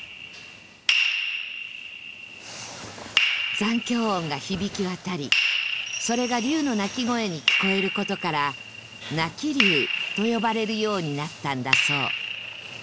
残響音が響き渡りそれが龍の鳴き声に聞こえる事から鳴龍と呼ばれるようになったんだそう